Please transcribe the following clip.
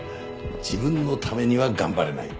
自分のためには頑張れない。